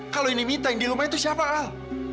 kalau ini mita yang di rumah itu siapa al